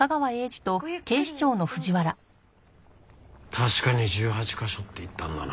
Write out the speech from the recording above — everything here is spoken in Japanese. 確かに１８カ所って言ったんだな？